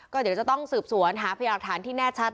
ก็เดี๋ยวจะต้องสืบสวนหาพยาหลักฐานที่แน่ชัด